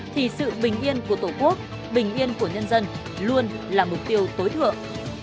thì sự bình yên của tổ quốc bình yên của nhân dân luôn là mục tiêu tối thượng